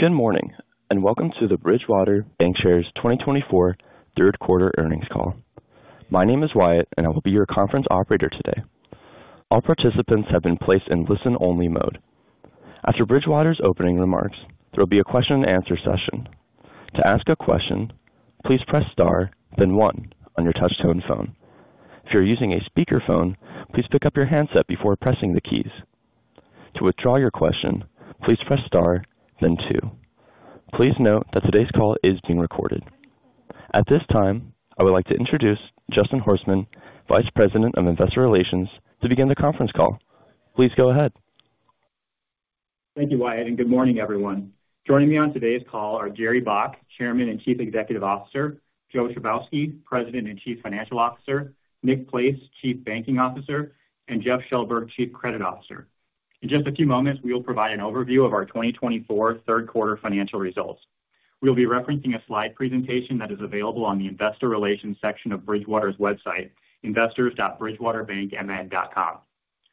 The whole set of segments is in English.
Good morning, and welcome to the Bridgewater Bancshares 2024 third quarter earnings call. My name is Wyatt, and I will be your conference operator today. All participants have been placed in listen-only mode. After Bridgewater's opening remarks, there will be a question and answer session. To ask a question, please press star then one on your touch-tone phone. If you're using a speakerphone, please pick up your handset before pressing the keys. To withdraw your question, please press star then two. Please note that today's call is being recorded. At this time, I would like to introduce Justin Horstman, Vice President of Investor Relations, to begin the conference call. Please go ahead. Thank you, Wyatt, and good morning, everyone. Joining me on today's call are Jerry Baack, Chairman and Chief Executive Officer, Joe Chybowski, President and Chief Financial Officer, Nick Place, Chief Banking Officer, and Jeff Shellberg, Chief Credit Officer. In just a few moments, we will provide an overview of our 2024 third quarter financial results. We'll be referencing a slide presentation that is available on the Investor Relations section of Bridgewater's website, investors.bridgewaterbankmn.com.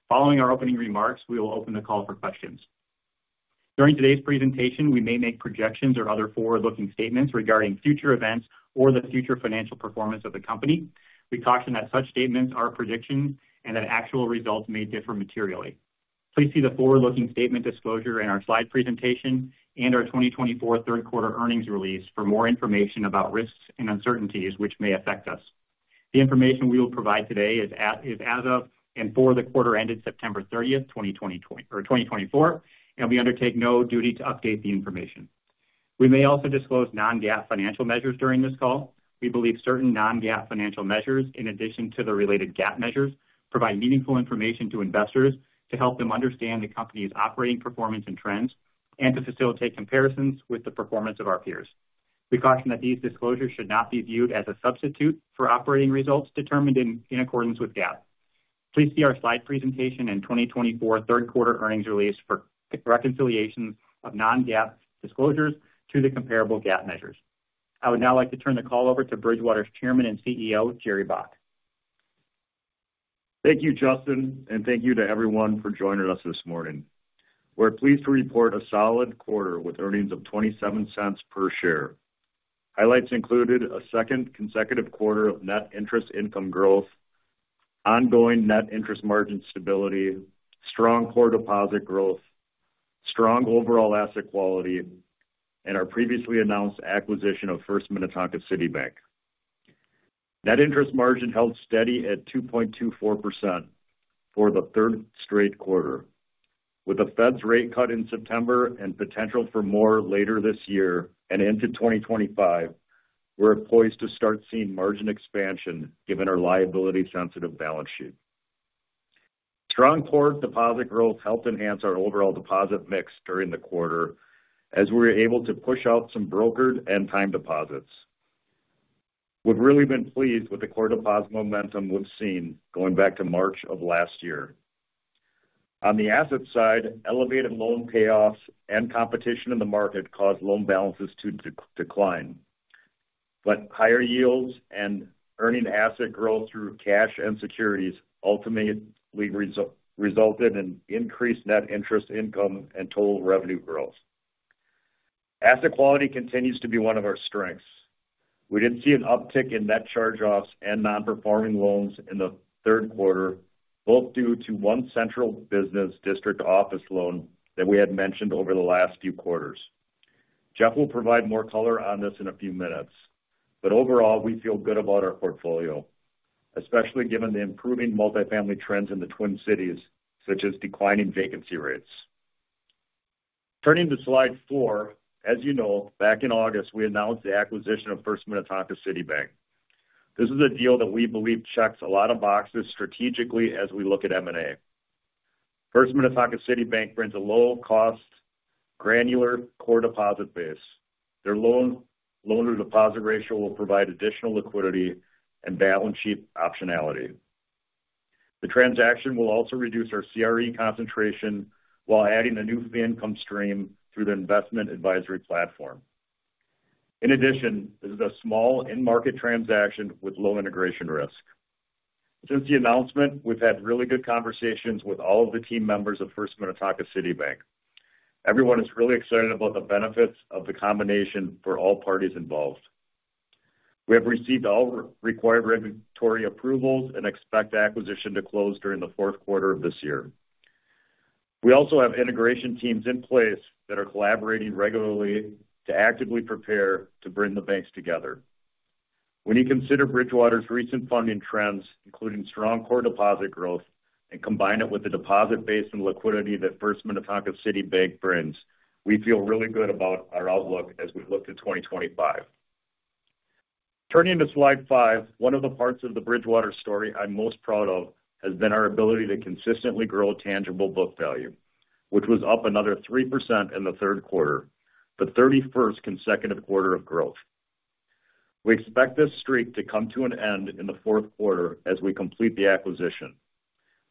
Following our opening remarks, we will open the call for questions. During today's presentation, we may make projections or other forward-looking statements regarding future events or the future financial performance of the company. We caution that such statements are predictions and that actual results may differ materially. Please see the forward-looking statement disclosure in our slide presentation and our 2024 third quarter earnings release for more information about risks and uncertainties which may affect us. The information we will provide today is as of and for the quarter ended September thirtieth, 2024, and we undertake no duty to update the information. We may also disclose non-GAAP financial measures during this call. We believe certain non-GAAP financial measures, in addition to the related GAAP measures, provide meaningful information to investors to help them understand the company's operating performance and trends and to facilitate comparisons with the performance of our peers. We caution that these disclosures should not be viewed as a substitute for operating results determined in accordance with GAAP. Please see our slide presentation and twenty twenty-four third quarter earnings release for the reconciliation of non-GAAP disclosures to the comparable GAAP measures. I would now like to turn the call over to Bridgewater's Chairman and CEO, Jerry Baack. Thank you, Justin, and thank you to everyone for joining us this morning. We're pleased to report a solid quarter with earnings of $0.27 per share. Highlights included a second consecutive quarter of net interest income growth, ongoing net interest margin stability, strong core deposit growth, strong overall asset quality, and our previously announced acquisition of First Minnetonka City Bank. Net interest margin held steady at 2.24% for the third straight quarter. With the Fed's rate cut in September and potential for more later this year and into 2025, we're poised to start seeing margin expansion given our liability-sensitive balance sheet. Strong core deposit growth helped enhance our overall deposit mix during the quarter, as we were able to push out some brokered and time deposits. We've really been pleased with the core deposit momentum we've seen going back to March of last year. On the asset side, elevated loan payoffs and competition in the market caused loan balances to decline, but higher yields and earning asset growth through cash and securities ultimately resulted in increased net interest income and total revenue growth. Asset quality continues to be one of our strengths. We did see an uptick in net charge-offs and non-performing loans in the third quarter, both due to one central business district office loan that we had mentioned over the last few quarters. Jeff will provide more color on this in a few minutes, but overall, we feel good about our portfolio, especially given the improving multifamily trends in the Twin Cities, such as declining vacancy rates. Turning to slide four, as you know, back in August, we announced the acquisition of First Minnetonka City Bank. This is a deal that we believe checks a lot of boxes strategically as we look at M&A. First Minnetonka City Bank brings a low-cost, granular core deposit base. Their loan-to-deposit ratio will provide additional liquidity and balance sheet optionality. The transaction will also reduce our CRE concentration while adding a new income stream through the investment advisory platform. In addition, this is a small end-market transaction with low integration risk. Since the announcement, we've had really good conversations with all of the team members of First Minnetonka City Bank. Everyone is really excited about the benefits of the combination for all parties involved. We have received all required regulatory approvals and expect the acquisition to close during the fourth quarter of this year. We also have integration teams in place that are collaborating regularly to actively prepare to bring the banks together. When you consider Bridgewater's recent funding trends, including strong core deposit growth, and combine it with the deposit base and liquidity that First Minnetonka City Bank brings, we feel really good about our outlook as we look to 2025. Turning to slide five, one of the parts of the Bridgewater story I'm most proud of has been our ability to consistently grow tangible book value, which was up another 3% in the third quarter, the thirty-first consecutive quarter of growth. We expect this streak to come to an end in the fourth quarter as we complete the acquisition,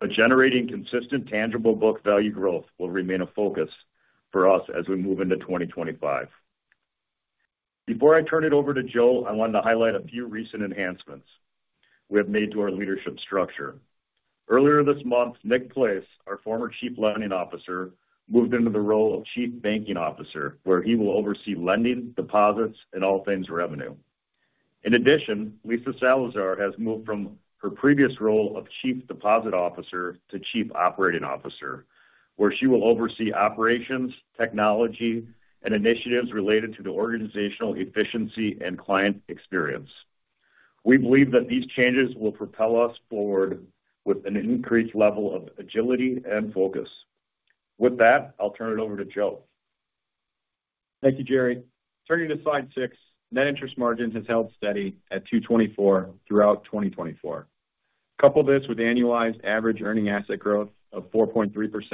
but generating consistent tangible book value growth will remain a focus for us as we move into 2025. Before I turn it over to Joe, I wanted to highlight a few recent enhancements we have made to our leadership structure. Earlier this month, Nick Place, our former Chief Lending Officer, moved into the role of Chief Banking Officer, where he will oversee lending, deposits, and all things revenue. In addition, Lisa Salazar has moved from her previous role of Chief Deposit Officer to Chief Operating Officer, where she will oversee operations, technology, and initiatives related to the organizational efficiency and client experience. We believe that these changes will propel us forward with an increased level of agility and focus. With that, I'll turn it over to Joe. Thank you, Jerry. Turning to Slide 6, net interest margin has held steady at 2.24% throughout 2024. Couple this with annualized average earning asset growth of 4.3%,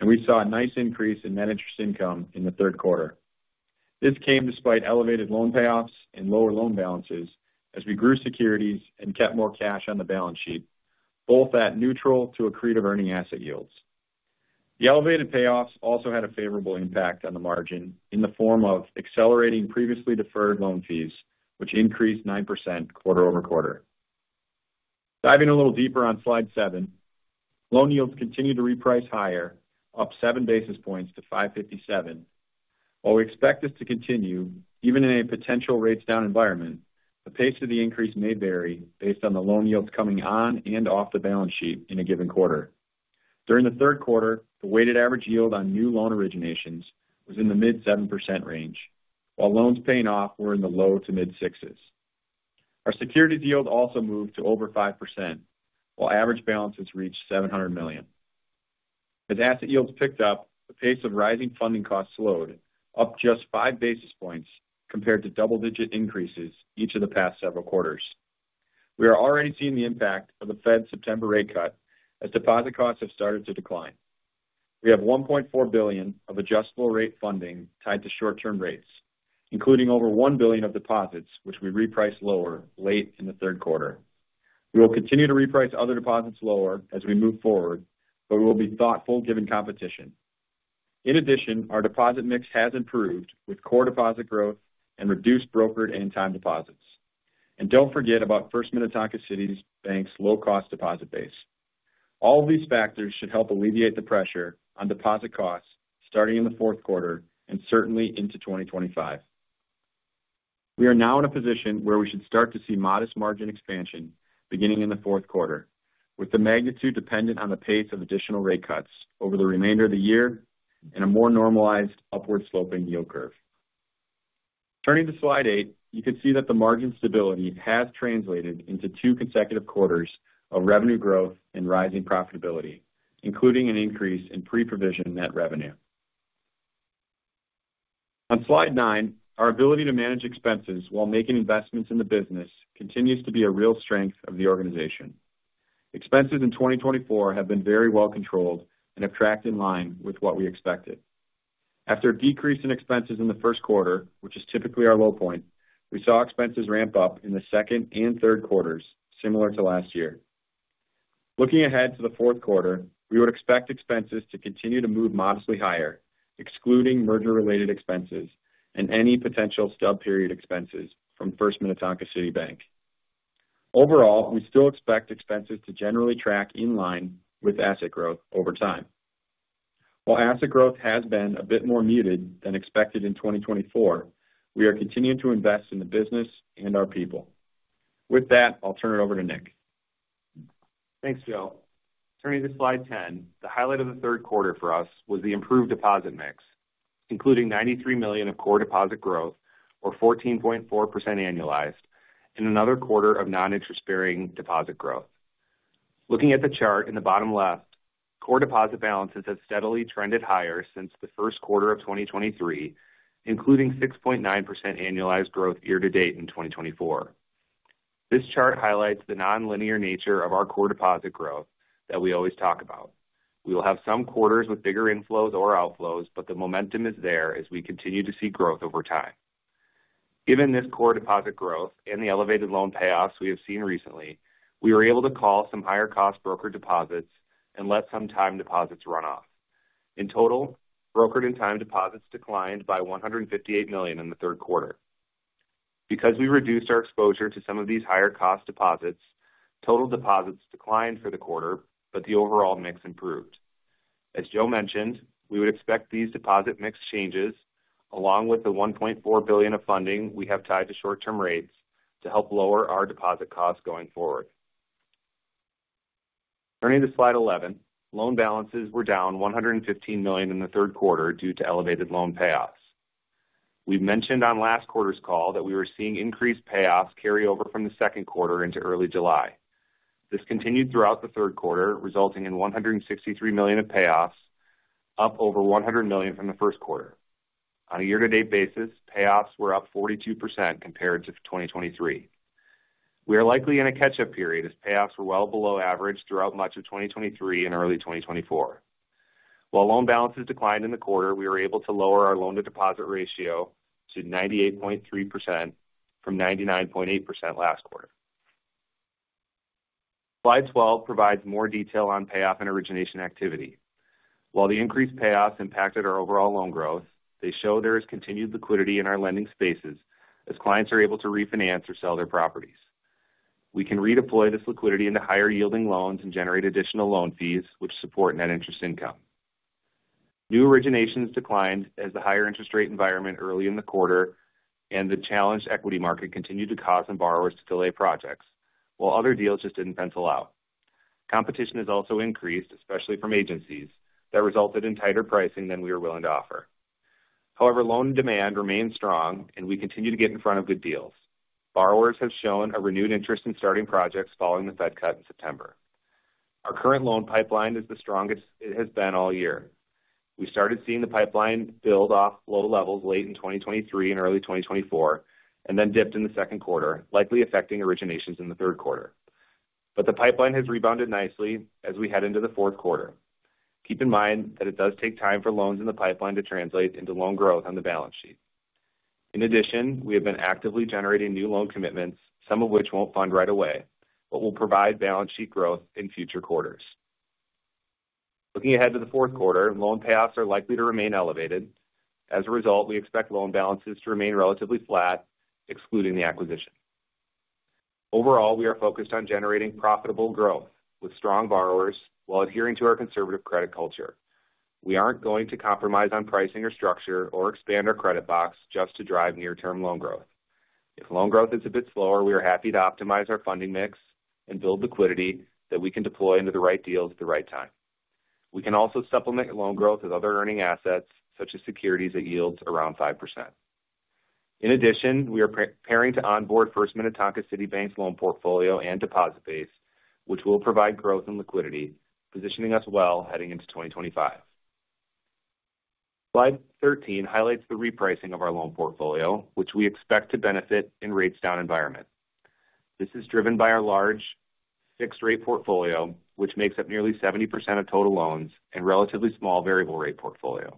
and we saw a nice increase in net interest income in the third quarter. This came despite elevated loan payoffs and lower loan balances as we grew securities and kept more cash on the balance sheet, both at neutral to accretive earning asset yields. The elevated payoffs also had a favorable impact on the margin in the form of accelerating previously deferred loan fees, which increased 9% quarter over quarter. Diving a little deeper on Slide 7, loan yields continued to reprice higher, up 7 basis points to 5.57%. While we expect this to continue, even in a potential rates down environment, the pace of the increase may vary based on the loan yields coming on and off the balance sheet in a given quarter. During the third quarter, the weighted average yield on new loan originations was in the mid-7% range, while loans paying off were in the low- to mid-6s. Our securities yield also moved to over 5%, while average balances reached $700 million. As asset yields picked up, the pace of rising funding costs slowed, up just five basis points compared to double-digit increases each of the past several quarters. We are already seeing the impact of the Fed's September rate cut as deposit costs have started to decline. We have $1.4 billion of adjustable rate funding tied to short-term rates, including over $1 billion of deposits, which we repriced lower late in the third quarter. We will continue to reprice other deposits lower as we move forward, but we will be thoughtful given competition. In addition, our deposit mix has improved with core deposit growth and reduced brokered and time deposits. And don't forget about First Minnetonka City Bank's low-cost deposit base. All of these factors should help alleviate the pressure on deposit costs starting in the fourth quarter and certainly into 2025. We are now in a position where we should start to see modest margin expansion beginning in the fourth quarter, with the magnitude dependent on the pace of additional rate cuts over the remainder of the year and a more normalized upward sloping yield curve. Turning to Slide eight, you can see that the margin stability has translated into two consecutive quarters of revenue growth and rising profitability, including an increase in pre-provision net revenue. On Slide nine, our ability to manage expenses while making investments in the business continues to be a real strength of the organization. Expenses in 2024 have been very well controlled and have tracked in line with what we expected. After a decrease in expenses in the first quarter, which is typically our low point, we saw expenses ramp up in the second and third quarters, similar to last year. Looking ahead to the fourth quarter, we would expect expenses to continue to move modestly higher, excluding merger-related expenses and any potential stub period expenses from First Minnetonka City Bank. Overall, we still expect expenses to generally track in line with asset growth over time. While asset growth has been a bit more muted than expected in 2024, we are continuing to invest in the business and our people. With that, I'll turn it over to Nick. Thanks, Joe. Turning to slide 10, the highlight of the third quarter for us was the improved deposit mix, including $93 million of core deposit growth, or 14.4% annualized, and another quarter of non-interest-bearing deposit growth. Looking at the chart in the bottom left, core deposit balances have steadily trended higher since the first quarter of 2023, including 6.9% annualized growth year to date in 2024. This chart highlights the nonlinear nature of our core deposit growth that we always talk about. We will have some quarters with bigger inflows or outflows, but the momentum is there as we continue to see growth over time. Given this core deposit growth and the elevated loan payoffs we have seen recently, we were able to call some higher cost brokered deposits and let some time deposits run off. In total, brokered and time deposits declined by $158 million in the third quarter. Because we reduced our exposure to some of these higher cost deposits, total deposits declined for the quarter, but the overall mix improved. As Joe mentioned, we would expect these deposit mix changes, along with the $1.4 billion of funding we have tied to short-term rates, to help lower our deposit costs going forward. Turning to slide 11, loan balances were down $115 million in the third quarter due to elevated loan payoffs. We've mentioned on last quarter's call that we were seeing increased payoffs carry over from the second quarter into early July. This continued throughout the third quarter, resulting in $163 million of payoffs, up over $100 million from the first quarter. On a year-to-date basis, payoffs were up 42% compared to 2023. We are likely in a catch-up period, as payoffs were well below average throughout much of 2023 and early 2024. While loan balances declined in the quarter, we were able to lower our loan-to-deposit ratio to 98.3% from 99.8% last quarter. Slide 12 provides more detail on payoff and origination activity. While the increased payoffs impacted our overall loan growth, they show there is continued liquidity in our lending spaces as clients are able to refinance or sell their properties. We can redeploy this liquidity into higher yielding loans and generate additional loan fees, which support net interest income. New originations declined as the higher interest rate environment early in the quarter and the challenged equity market continued to cause some borrowers to delay projects, while other deals just didn't pencil out. Competition has also increased, especially from agencies, that resulted in tighter pricing than we were willing to offer. However, loan demand remains strong and we continue to get in front of good deals. Borrowers have shown a renewed interest in starting projects following the Fed cut in September. Our current loan pipeline is the strongest it has been all year. We started seeing the pipeline build off low levels late in 2023 and early 2024, and then dipped in the second quarter, likely affecting originations in the third quarter. But the pipeline has rebounded nicely as we head into the fourth quarter. Keep in mind that it does take time for loans in the pipeline to translate into loan growth on the balance sheet. In addition, we have been actively generating new loan commitments, some of which won't fund right away, but will provide balance sheet growth in future quarters. Looking ahead to the fourth quarter, loan payoffs are likely to remain elevated. As a result, we expect loan balances to remain relatively flat, excluding the acquisition. Overall, we are focused on generating profitable growth with strong borrowers while adhering to our conservative credit culture. We aren't going to compromise on pricing or structure or expand our credit box just to drive near-term loan growth. If loan growth is a bit slower, we are happy to optimize our funding mix and build liquidity that we can deploy into the right deals at the right time. We can also supplement loan growth with other earning assets, such as securities, that yields around 5%. In addition, we are pre-preparing to onboard First Minnetonka City Bank's loan portfolio and deposit base, which will provide growth and liquidity, positioning us well heading into 2025. Slide 13 highlights the repricing of our loan portfolio, which we expect to benefit in rates down environment. This is driven by our large fixed rate portfolio, which makes up nearly 70% of total loans and relatively small variable rate portfolio.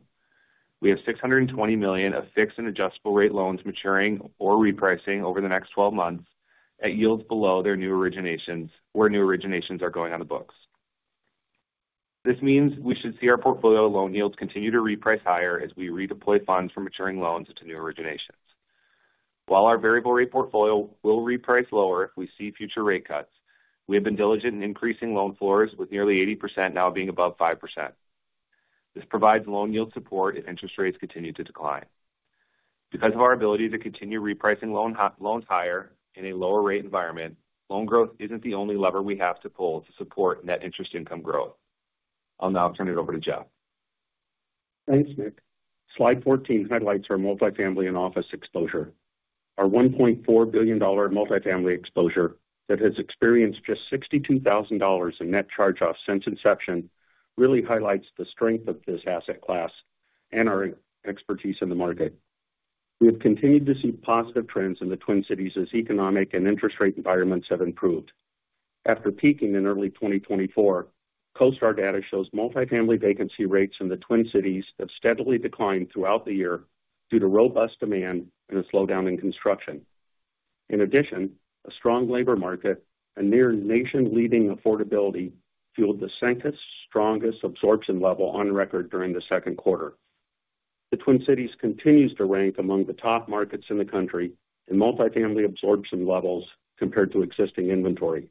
We have $620 million of fixed and adjustable rate loans maturing or repricing over the next twelve months at yields below their new originations, where new originations are going on the books. This means we should see our portfolio loan yields continue to reprice higher as we redeploy funds from maturing loans into new originations. While our variable rate portfolio will reprice lower if we see future rate cuts, we have been diligent in increasing loan floors, with nearly 80% now being above 5%. This provides loan yield support if interest rates continue to decline. Because of our ability to continue repricing loans higher in a lower rate environment, loan growth isn't the only lever we have to pull to support net interest income growth. I'll now turn it over to Jeff. Thanks, Nick. Slide 14 highlights our multifamily and office exposure. Our $1.4 billion multifamily exposure that has experienced just $62,000 in net charge-offs since inception really highlights the strength of this asset class and our expertise in the market. We have continued to see positive trends in the Twin Cities as economic and interest rate environments have improved. After peaking in early 2024, CoStar data shows multifamily vacancy rates in the Twin Cities have steadily declined throughout the year due to robust demand and a slowdown in construction. In addition, a strong labor market and near nation-leading affordability fueled the second strongest absorption level on record during the second quarter. The Twin Cities continues to rank among the top markets in the country in multifamily absorption levels compared to existing inventory.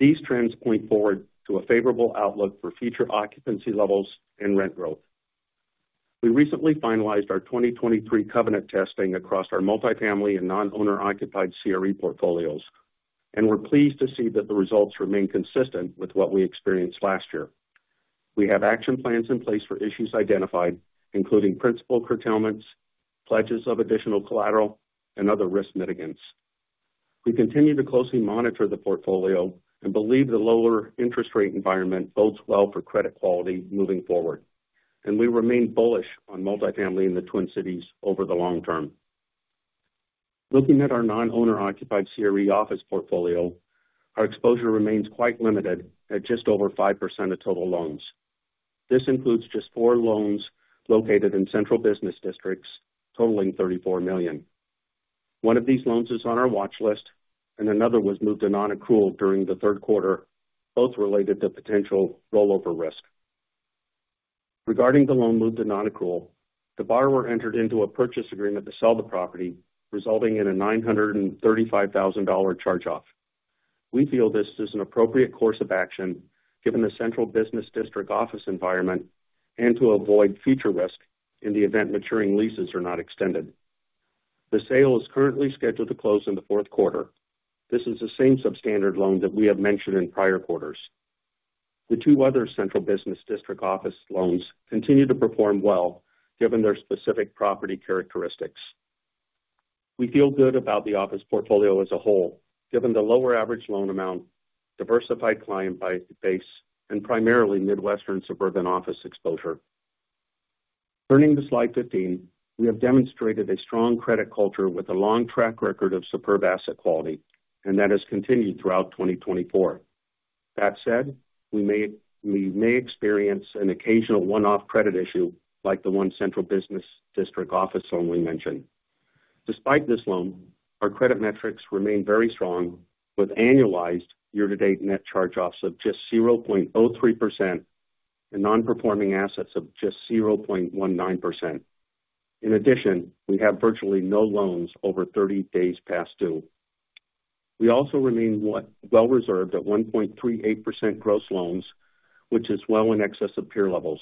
These trends point forward to a favorable outlook for future occupancy levels and rent growth. We recently finalized our 2023 covenant testing across our multifamily and non-owner occupied CRE portfolios, and we're pleased to see that the results remain consistent with what we experienced last year. We have action plans in place for issues identified, including principal curtailments, pledges of additional collateral and other risk mitigants. We continue to closely monitor the portfolio and believe the lower interest rate environment bodes well for credit quality moving forward, and we remain bullish on multifamily in the Twin Cities over the long term. Looking at our non-owner occupied CRE office portfolio, our exposure remains quite limited at just over 5% of total loans. This includes just four loans located in central business districts totaling $34 million. One of these loans is on our watch list and another was moved to non-accrual during the third quarter, both related to potential rollover risk. Regarding the loan moved to non-accrual, the borrower entered into a purchase agreement to sell the property, resulting in a $935,000 charge-off. We feel this is an appropriate course of action, given the central business district office environment and to avoid future risk in the event maturing leases are not extended. The sale is currently scheduled to close in the fourth quarter. This is the same substandard loan that we have mentioned in prior quarters. The two other central business district office loans continue to perform well, given their specific property characteristics. We feel good about the office portfolio as a whole, given the lower average loan amount, diversified client base, and primarily Midwestern suburban office exposure. Turning to slide 15, we have demonstrated a strong credit culture with a long track record of superb asset quality, and that has continued throughout twenty twenty-four. That said, we may experience an occasional one-off credit issue like the one Central Business District office loan we mentioned. Despite this loan, our credit metrics remain very strong, with annualized year-to-date net charge-offs of just 0.03% and non-performing assets of just 0.19%. In addition, we have virtually no loans over 30 days past due. We also remain well reserved at 1.38% gross loans, which is well in excess of peer levels.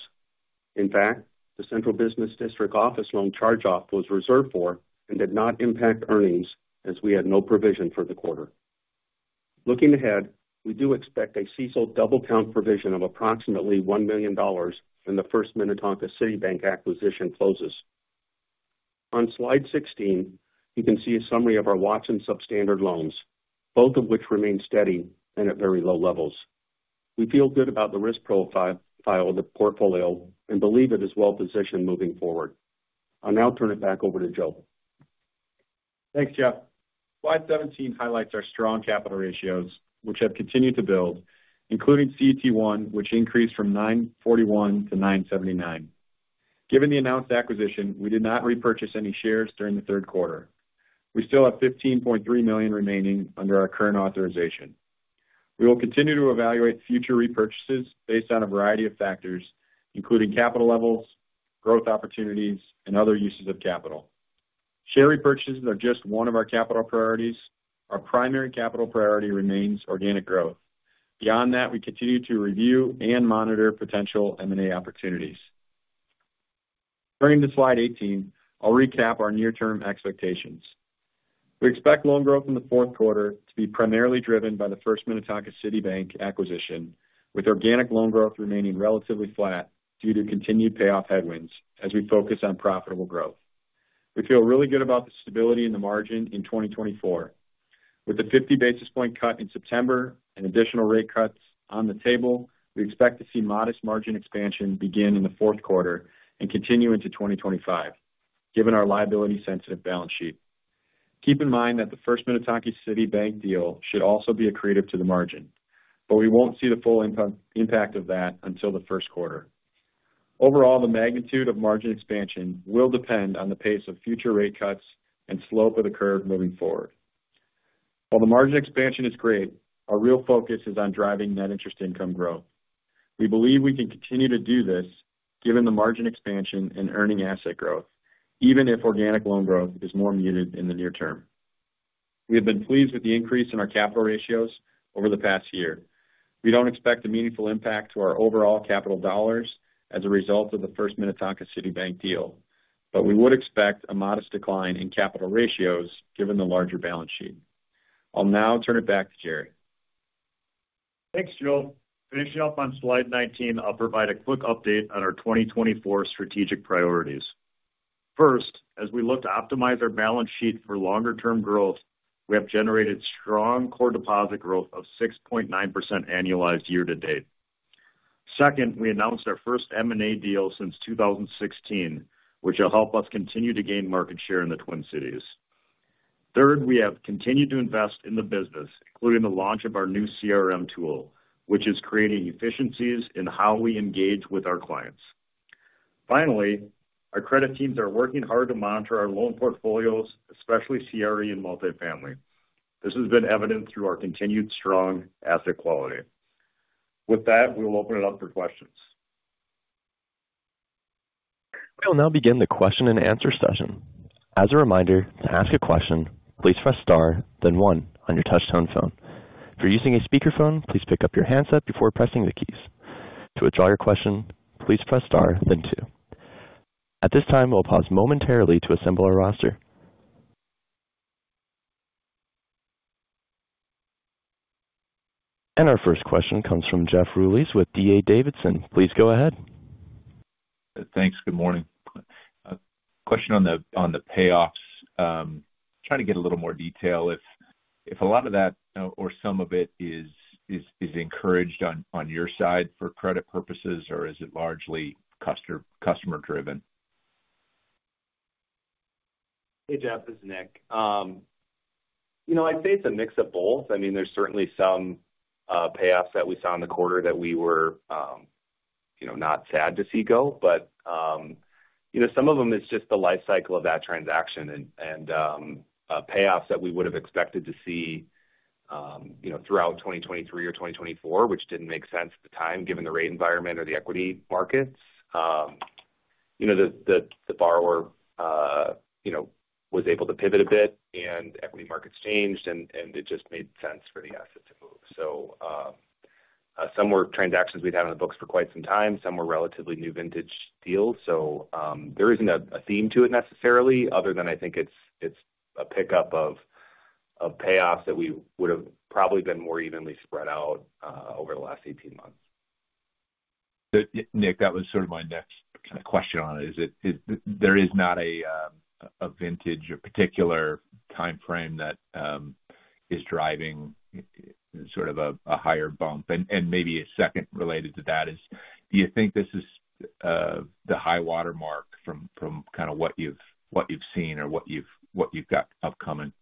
In fact, the Central Business District Office loan charge-off was reserved for and did not impact earnings, as we had no provision for the quarter. Looking ahead, we do expect a CECL double-count provision of approximately $1 million when the First Minnetonka City Bank acquisition closes. On slide sixteen, you can see a summary of our watch and substandard loans, both of which remain steady and at very low levels. We feel good about the risk profile of the portfolio and believe it is well positioned moving forward. I'll now turn it back over to Joe. Thanks, Jeff. Slide 17 highlights our strong capital ratios, which have continued to build, including CET1, which increased from 9.41% to 9.79%. Given the announced acquisition, we did not repurchase any shares during the third quarter. We still have $15.3 million remaining under our current authorization. We will continue to evaluate future repurchases based on a variety of factors, including capital levels, growth opportunities, and other uses of capital. Share repurchases are just one of our capital priorities. Our primary capital priority remains organic growth. Beyond that, we continue to review and monitor potential M&A opportunities. Turning to slide 18, I'll recap our near-term expectations. We expect loan growth in the fourth quarter to be primarily driven by the First Minnetonka City Bank acquisition, with organic loan growth remaining relatively flat due to continued payoff headwinds as we focus on profitable growth. We feel really good about the stability in the margin in twenty twenty-four. With the fifty basis point cut in September and additional rate cuts on the table, we expect to see modest margin expansion begin in the fourth quarter and continue into twenty twenty-five, given our liability-sensitive balance sheet. Keep in mind that the First Minnetonka City Bank deal should also be accretive to the margin, but we won't see the full impact of that until the first quarter. Overall, the magnitude of margin expansion will depend on the pace of future rate cuts and slope of the curve moving forward. While the margin expansion is great, our real focus is on driving net interest income growth. We believe we can continue to do this given the margin expansion and earning asset growth, even if organic loan growth is more muted in the near term. We have been pleased with the increase in our capital ratios over the past year. We don't expect a meaningful impact to our overall capital dollars as a result of the First Minnetonka City Bank deal, but we would expect a modest decline in capital ratios given the larger balance sheet. I'll now turn it back to Jerry. Thanks, Joe. Finishing up on slide 19, I'll provide a quick update on our twenty twenty-four strategic priorities. First, as we look to optimize our balance sheet for longer term growth, we have generated strong core deposit growth of 6.9% annualized year to date. Second, we announced our first M&A deal since two thousand and sixteen, which will help us continue to gain market share in the Twin Cities. Third, we have continued to invest in the business, including the launch of our new CRM tool, which is creating efficiencies in how we engage with our clients. Finally, our credit teams are working hard to monitor our loan portfolios, especially CRE and multifamily. This has been evident through our continued strong asset quality. With that, we will open it up for questions. We'll now begin the question-and-answer session. As a reminder, to ask a question, please press star, then One on your touchtone phone. If you're using a speakerphone, please pick up your handset before pressing the keys. To withdraw your question, please press star then Two. At this time, we'll pause momentarily to assemble our roster. And our first question comes from Jeff Rulis with D.A. Davidson. Please go ahead. Thanks. Good morning. Question on the payoffs. Trying to get a little more detail if a lot of that or some of it is encouraged on your side for credit purposes, or is it largely customer driven? Hey, Jeff, this is Nick. You know, I'd say it's a mix of both. I mean, there's certainly some payoffs that we saw in the quarter that we were, you know, not sad to see go. But, you know, some of them is just the life cycle of that transaction and payoffs that we would have expected to see, you know, throughout 2023 or 2024, which didn't make sense at the time, given the rate environment or the equity markets. You know, the borrower was able to pivot a bit and equity markets changed and it just made sense for the asset to move. So, some were transactions we'd had on the books for quite some time. Some were relatively new vintage deals, so there isn't a theme to it necessarily, other than I think it's a pickup of payoffs that we would have probably been more evenly spread out over the last eighteen months. So Nick, that was sort of my next kind of question on it. Is there not a vintage or particular timeframe that is driving sort of a higher bump? And maybe a second related to that is, do you think this is the high watermark from kind of what you've seen or what you've got upcoming?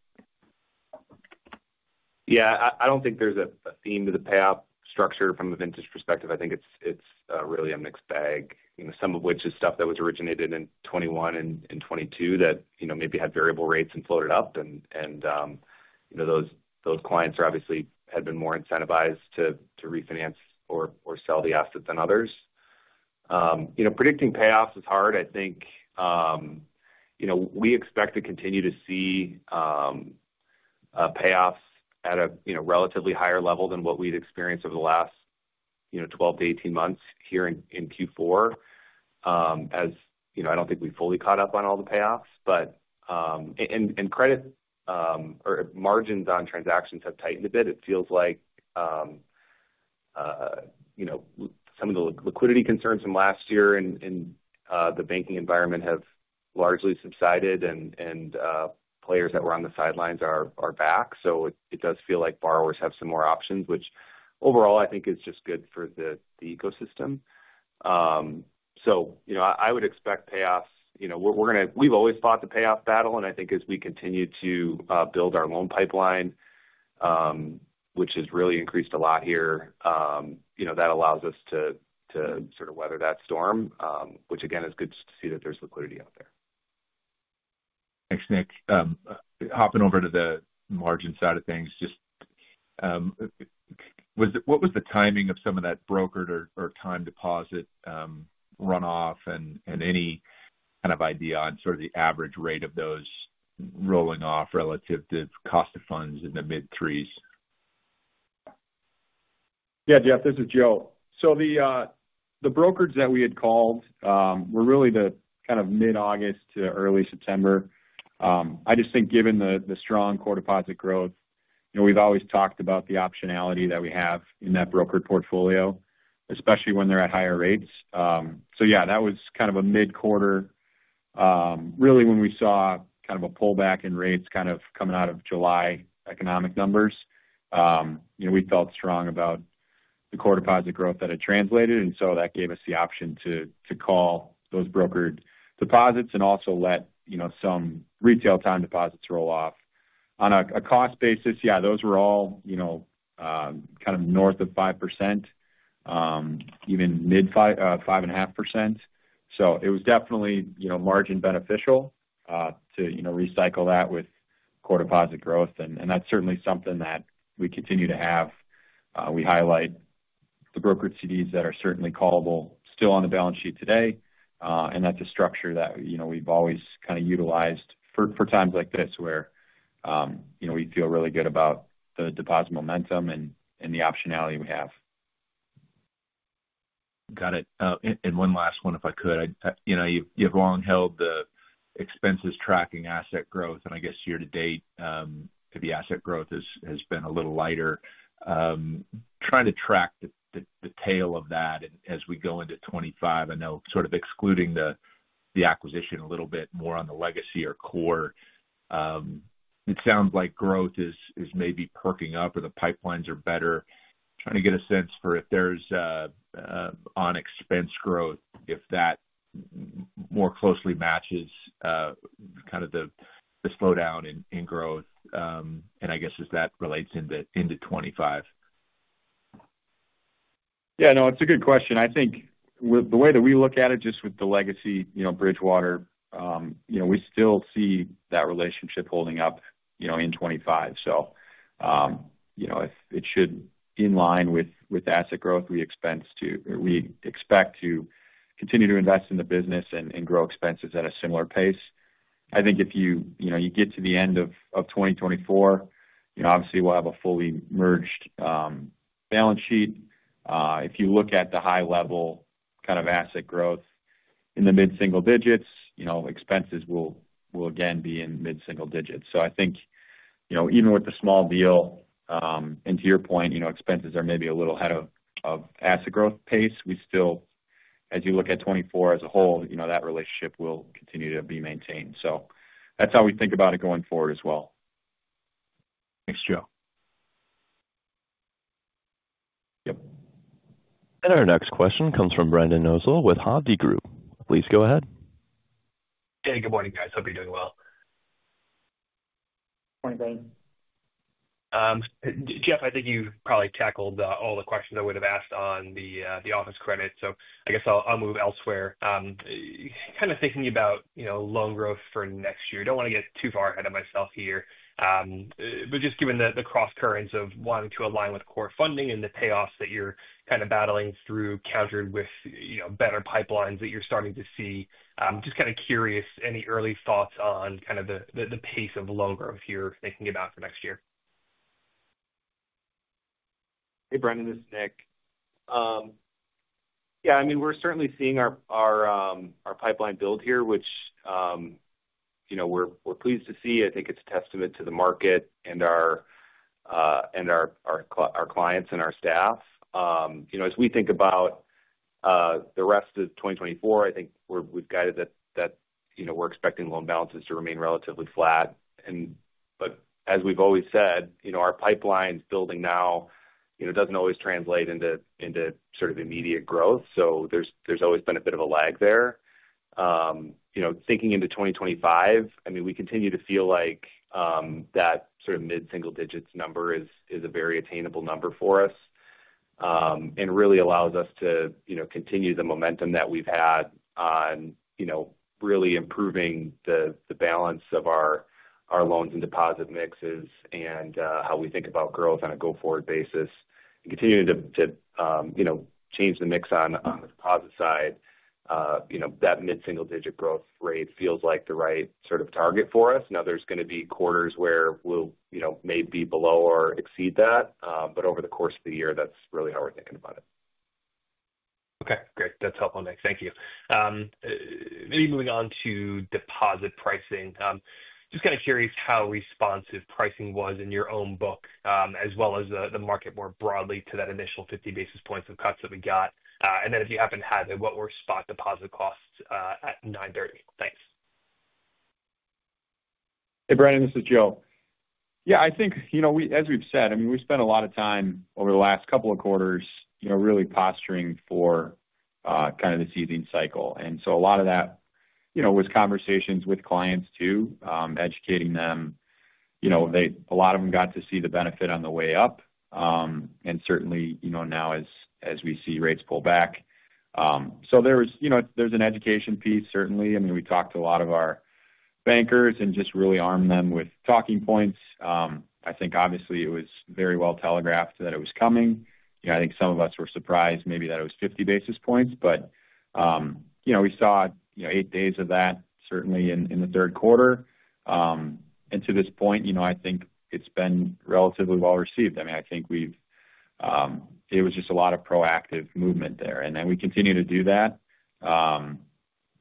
Yeah, I don't think there's a theme to the payoff structure from a vintage perspective. I think it's really a mixed bag, you know, some of which is stuff that was originated in 2021 and 2022 that, you know, maybe had variable rates and floated up. And you know, those clients are obviously had been more incentivized to refinance or sell the asset than others. You know, predicting payoffs is hard. I think, you know, we expect to continue to see payoffs at a relatively higher level than what we'd experienced over the last 12-18 months here in Q4. As you know, I don't think we've fully caught up on all the payoffs, but credit or margins on transactions have tightened a bit. It feels like, you know, some of the liquidity concerns from last year in the banking environment have largely subsided and players that were on the sidelines are back, so it does feel like borrowers have some more options, which overall I think is just good for the ecosystem, so you know, I would expect payoffs. You know, we're gonna. We've always fought the payoff battle, and I think as we continue to build our loan pipeline, which has really increased a lot here, you know, that allows us to sort of weather that storm. Which again, it's good to see that there's liquidity out there. Thanks, Nick. Hopping over to the margin side of things, just what was the timing of some of that brokered or time deposit runoff? And any kind of idea on sort of the average rate of those rolling off relative to cost of funds in the mid threes? Yeah, Jeff, this is Joe. So the brokers that we had called were really the kind of mid-August to early September. I just think given the strong core deposit growth, you know, we've always talked about the optionality that we have in that brokered portfolio, especially when they're at higher rates. So yeah, that was kind of a mid-quarter. Really, when we saw kind of a pullback in rates kind of coming out of July economic numbers, you know, we felt strong about the core deposit growth that had translated, and so that gave us the option to call those brokered deposits and also let, you know, some retail time deposits roll off. On a cost basis, yeah, those were all, you know, kind of north of 5%, even mid 5, 5.5%. So it was definitely, you know, margin beneficial to, you know, recycle that with core deposit growth. And that's certainly something that we continue to have. We highlight the brokered CDs that are certainly callable still on the balance sheet today. And that's a structure that, you know, we've always kind of utilized for times like this, where, you know, we feel really good about the deposit momentum and the optionality we have. Got it. And one last one, if I could. You know, you've long held the expenses tracking asset growth, and I guess year to date, the asset growth has been a little lighter. Trying to track the tail of that as we go into 2025. I know, sort of excluding the acquisition a little bit more on the legacy or core. It sounds like growth is maybe perking up or the pipelines are better. Trying to get a sense for if there's on expense growth, if that more closely matches kind of the slowdown in growth, and I guess as that relates into 2025. Yeah, no, it's a good question. I think with the way that we look at it, just with the legacy, you know, Bridgewater, you know, we still see that relationship holding up, you know, in twenty-five. So, you know, if it should in line with, with asset growth, we expect to continue to invest in the business and, and grow expenses at a similar pace. I think if you, you know, you get to the end of, of twenty twenty-four, you know, obviously we'll have a fully merged balance sheet. If you look at the high level kind of asset growth in the mid-single digits, you know, expenses will, will again be in mid-single digits. So I think, you know, even with the small deal, um, and to your point, you know, expenses are maybe a little ahead of, of asset growth pace. We still... as you look at 2024 as a whole, you know, that relationship will continue to be maintained. So that's how we think about it going forward as well. Thanks, Joe. Yep. And our next question comes from Brendan Nosal with Hovde Group. Please go ahead. Hey, good morning, guys. Hope you're doing well. Good morning, Brendan. Jeff, I think you probably tackled all the questions I would have asked on the office credit, so I guess I'll move elsewhere. Kind of thinking about, you know, loan growth for next year. Don't want to get too far ahead of myself here, but just given the crosscurrents of wanting to align with core funding and the payoffs that you're kind of battling through, countered with, you know, better pipelines that you're starting to see, just kind of curious, any early thoughts on kind of the pace of loan growth you're thinking about for next year? Hey, Brendan, this is Nick. Yeah, I mean, we're certainly seeing our pipeline build here, which, you know, we're pleased to see. I think it's a testament to the market and our clients and our staff. You know, as we think about the rest of twenty twenty-four, I think we've guided that, you know, we're expecting loan balances to remain relatively flat. And but as we've always said, you know, our pipeline's building now, you know, doesn't always translate into sort of immediate growth, so there's always been a bit of a lag there. You know, thinking into 2025, I mean, we continue to feel like that sort of mid-single digits number is a very attainable number for us.... and really allows us to, you know, continue the momentum that we've had on, you know, really improving the balance of our loans and deposit mixes and, how we think about growth on a go-forward basis and continuing to, you know, change the mix on the deposit side. You know, that mid-single-digit growth rate feels like the right sort of target for us. Now, there's going to be quarters where we'll, you know, may be below or exceed that, but over the course of the year, that's really how we're thinking about it. Okay, great. That's helpful, Nick. Thank you. Maybe moving on to deposit pricing. Just kind of curious how responsive pricing was in your own book, as well as the market more broadly to that initial fifty basis points of cuts that we got, and then if you happen to have it, what were spot deposit costs at nine thirty? Thanks. Hey, Brendan, this is Joe. Yeah, I think, you know, we - as we've said, I mean, we've spent a lot of time over the last couple of quarters, you know, really posturing for kind of this easing cycle. And so a lot of that, you know, was conversations with clients, too, educating them. You know, they - a lot of them got to see the benefit on the way up, and certainly, you know, now as we see rates pull back. So there was... You know, there's an education piece, certainly. I mean, we talked to a lot of our bankers and just really armed them with talking points. I think obviously it was very well telegraphed that it was coming. You know, I think some of us were surprised maybe that it was 50 basis points, but you know, we saw you know eight days of that, certainly in the third quarter. To this point, you know, I think it's been relatively well received. I mean, I think we've. It was just a lot of proactive movement there, and then we continue to do that.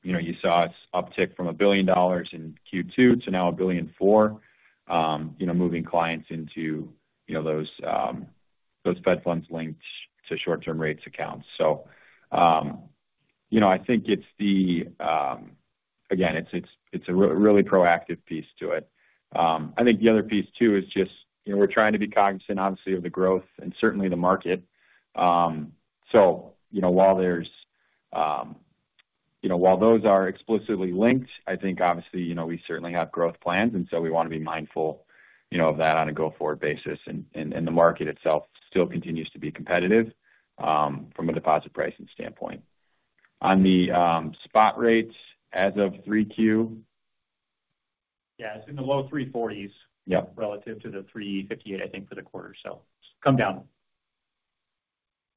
You know, you saw us uptick from $1 billion in Q2 to now $1.4 billion, you know, moving clients into you know those Fed funds linked to short-term rates accounts. You know, I think it's the. Again, it's a really proactive piece to it. I think the other piece, too, is just you know, we're trying to be cognizant, obviously, of the growth and certainly the market. So, you know, while there's, you know, while those are explicitly linked, I think, obviously, you know, we certainly have growth plans, and so we want to be mindful, you know, of that on a go-forward basis. And the market itself still continues to be competitive, from a deposit pricing standpoint. On the, spot rates as of 3Q? Yeah, it's in the low three forties- Yep. Relative to the 3.58, I think, for the quarter. So it's come down.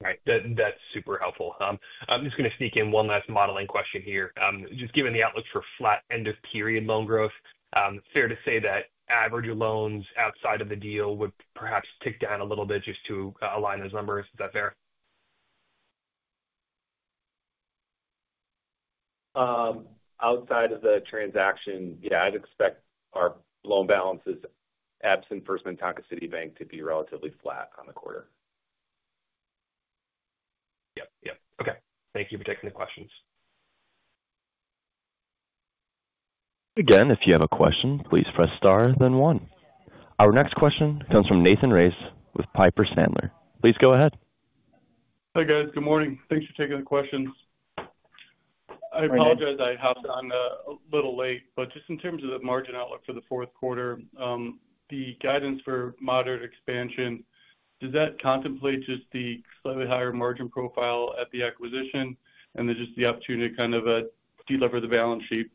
Right. That, that's super helpful. I'm just going to sneak in one last modeling question here. Just given the outlook for flat end-of-period loan growth, fair to say that average loans outside of the deal would perhaps tick down a little bit just to align those numbers. Is that fair? Outside of the transaction, yeah, I'd expect our loan balances, absent First Minnetonka City Bank, to be relatively flat on the quarter. Yep. Yep. Okay. Thank you for taking the questions. Again, if you have a question, please press Star, then One. Our next question comes from Nathan Race with Piper Sandler. Please go ahead. Hi, guys. Good morning. Thanks for taking the questions. Good morning. I apologize I hopped on a little late, but just in terms of the margin outlook for the fourth quarter, the guidance for moderate expansion, does that contemplate just the slightly higher margin profile at the acquisition and then just the opportunity to kind of deliver the balance sheet?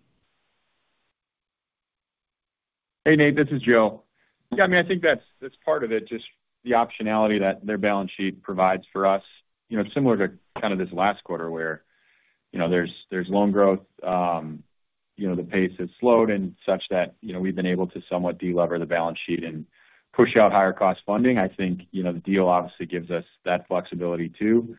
Hey, Nate, this is Joe. Yeah, I mean, I think that's, that's part of it, just the optionality that their balance sheet provides for us. You know, similar to kind of this last quarter, where, you know, there's, there's loan growth, you know, the pace has slowed and such that, you know, we've been able to somewhat deliver the balance sheet and push out higher cost funding. I think, you know, the deal obviously gives us that flexibility, too.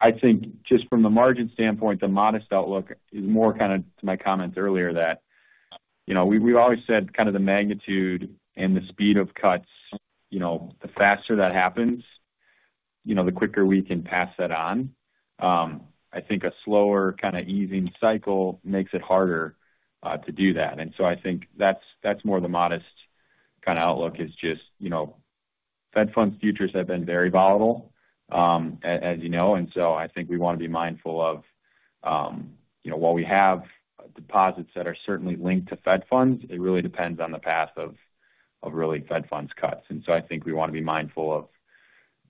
I think just from the margin standpoint, the modest outlook is more kind of to my comments earlier, that, you know, we, we've always said kind of the magnitude and the speed of cuts, you know, the faster that happens, you know, the quicker we can pass that on. I think a slower kind of easing cycle makes it harder to do that. And so I think that's more the modest kind of outlook is just, you know, Fed Funds futures have been very volatile, as you know, and so I think we want to be mindful of, you know, while we have deposits that are certainly linked to Fed Funds, it really depends on the path of really Fed Funds cuts. And so I think we want to be mindful of,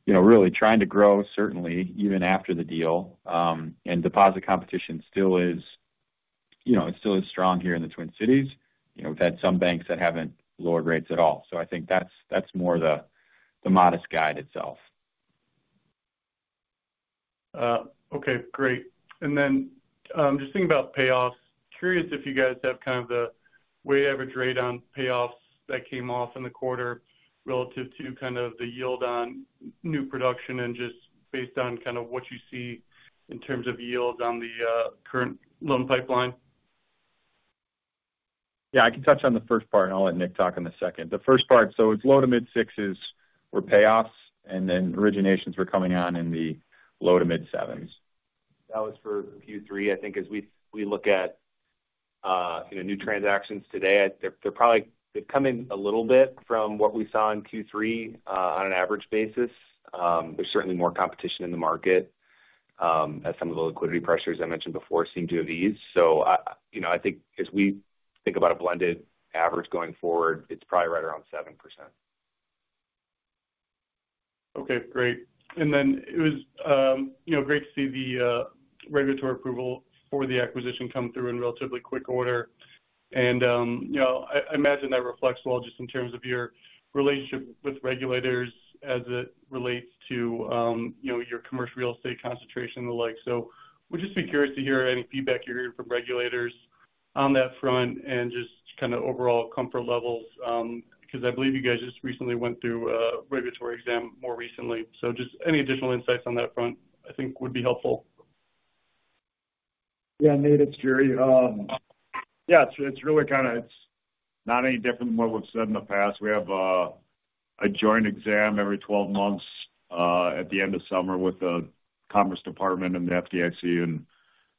you know, really trying to grow, certainly even after the deal. And deposit competition still is, you know, it still is strong here in the Twin Cities. You know, we've had some banks that haven't lowered rates at all. So I think that's more the modest guide itself. Okay, great. And then, just thinking about payoffs, curious if you guys have kind of the weighted average rate on payoffs that came off in the quarter relative to kind of the yield on new production and just based on kind of what you see in terms of yields on the current loan pipeline. Yeah, I can touch on the first part, and I'll let Nick talk on the second. The first part, so it's low to mid-sixes for payoffs, and then originations were coming on in the low to mid-sevens. That was for Q3. I think as we look at, you know, new transactions today, they're probably they've come in a little bit from what we saw in Q3, on an average basis. There's certainly more competition in the market as some of the liquidity pressures I mentioned before seem to have eased, so I, you know, I think as we think about a blended average going forward, it's probably right around 7%. Okay, great. And then it was, you know, great to see the regulatory approval for the acquisition come through in relatively quick order. And, you know, I imagine that reflects well just in terms of your relationship with regulators as it relates to, you know, your commercial real estate concentration and the like. So would just be curious to hear any feedback you're hearing from regulators on that front and just kind of overall comfort levels, because I believe you guys just recently went through a regulatory exam more recently. So just any additional insights on that front, I think would be helpful. Yeah, Nate, it's Jerry. Yeah, it's really kind of. It's not any different than what we've said in the past. We have a joint exam every 12 months at the end of summer with the Commerce Department and the FDIC, and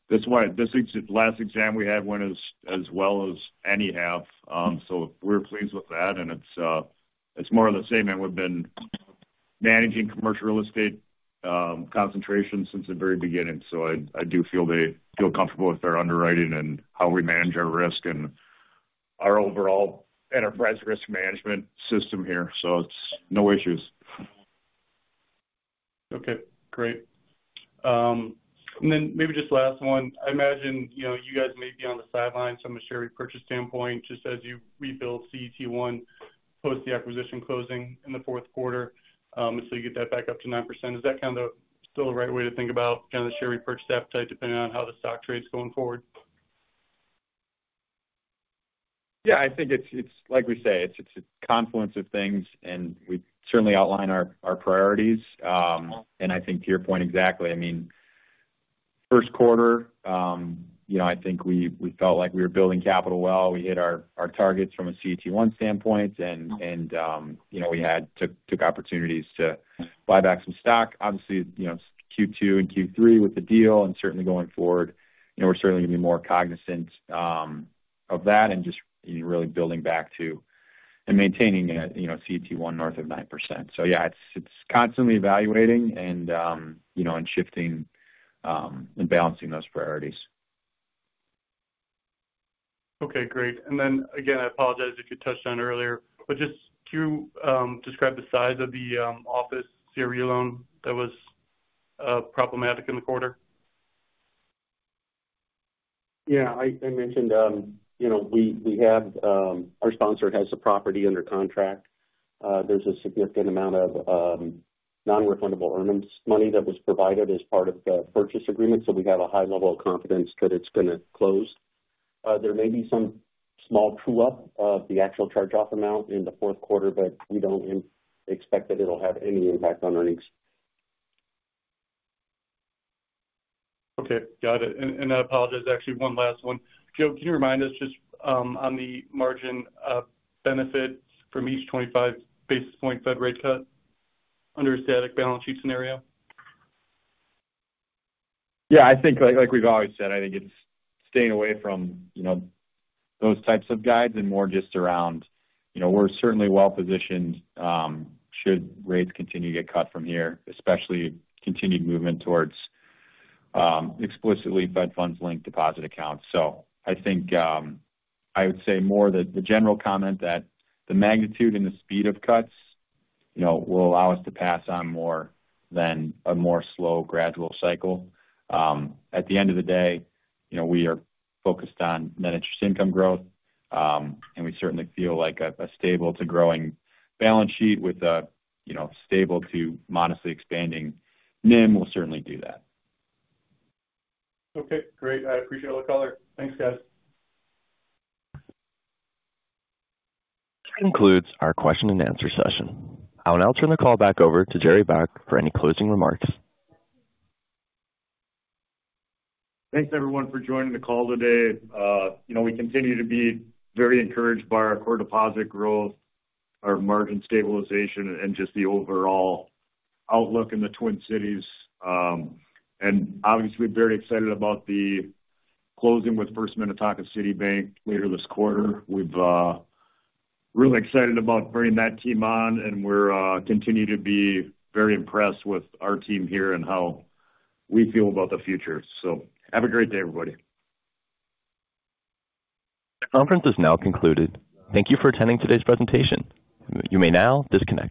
that's why. This last exam we had went as well as any have. So we're pleased with that, and it's more of the same, and we've been managing commercial real estate concentration since the very beginning. So I do feel they feel comfortable with our underwriting and how we manage our risk and our overall enterprise risk management system here. So it's no issues. Okay, great. And then maybe just last one. I imagine, you know, you guys may be on the sidelines from a share repurchase standpoint, just as you rebuild CET1, post the acquisition closing in the fourth quarter, so you get that back up to 9%. Is that kind of still the right way to think about kind of the share repurchase appetite, depending on how the stock trades going forward? Yeah, I think it's like we say, it's a confluence of things, and we certainly outline our priorities. And I think to your point, exactly, I mean, first quarter, you know, I think we felt like we were building capital well. We hit our targets from a CET1 standpoint, and, you know, we took opportunities to buy back some stock. Obviously, you know, Q2 and Q3 with the deal and certainly going forward, you know, we're certainly going to be more cognizant of that and just really building back to and maintaining a, you know, CET1 north of 9%. So yeah, it's constantly evaluating and, you know, and shifting, and balancing those priorities. Okay, great. And then again, I apologize if you touched on it earlier, but just can you describe the size of the office CRE loan that was problematic in the quarter? Yeah, I mentioned, you know, we have our sponsor has a property under contract. There's a significant amount of non-refundable earnest money that was provided as part of the purchase agreement, so we have a high level of confidence that it's going to close. There may be some small true-up of the actual charge-off amount in the fourth quarter, but we don't expect that it'll have any impact on earnings. Okay, got it. And, I apologize, actually, one last one. Joe, can you remind us just, on the margin of benefits from each twenty-five basis point Fed rate cut under a static balance sheet scenario? Yeah, I think, like we've always said, I think it's staying away from, you know, those types of guides and more just around, you know, we're certainly well positioned should rates continue to get cut from here, especially continued movement towards explicitly Fed Funds linked deposit accounts. So I think I would say more that the general comment that the magnitude and the speed of cuts, you know, will allow us to pass on more than a more slow, gradual cycle. At the end of the day, you know, we are focused on net interest income growth, and we certainly feel like a stable to growing balance sheet with a, you know, stable to modestly expanding NIM will certainly do that. Okay, great. I appreciate all the color. Thanks, guys. This concludes our question and answer session. I will now turn the call back over to Jerry Baack for any closing remarks. Thanks, everyone, for joining the call today. You know, we continue to be very encouraged by our core deposit growth, our margin stabilization, and just the overall outlook in the Twin Cities. And obviously, very excited about the closing with First Minnetonka City Bank later this quarter. We've really excited about bringing that team on, and we're continue to be very impressed with our team here and how we feel about the future. So have a great day, everybody. The conference is now concluded. Thank you for attending today's presentation. You may now disconnect.